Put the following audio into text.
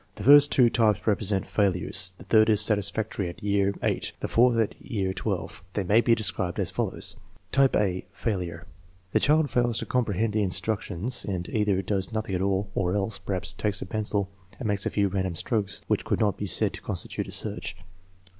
The first two types represent fail ures; the third is satisfactory at year VIII, the fourth at year XII. They may be described as follows: Type a (failure) . The child fails to comprehend the instructions and either does nothing at all or else, perhaps, takes the pencil and makes a few random strokes which could not be said to constitute a search.